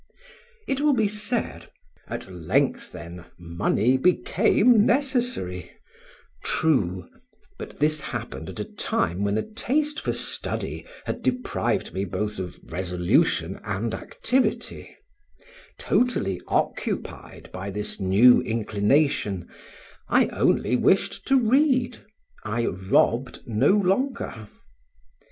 It will be said; "at length, then, money became necessary" true; but this happened at a time when a taste for study had deprived me both of resolution and activity; totally occupied by this new inclination, I only wished to read, I robbed no longer.